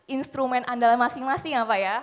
instrumen andalan masing masing apa ya